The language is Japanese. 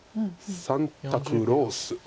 「サンタク」ロース。